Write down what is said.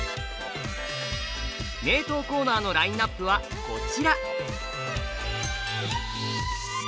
名刀コーナーのラインナップはこちら。